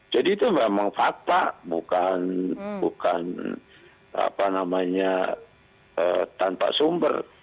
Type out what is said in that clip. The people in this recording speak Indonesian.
jadi itu memang fakta bukan tanpa sumber